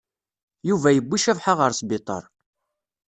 Yuba yewwi Cabḥa ɣer sbiṭaṛ.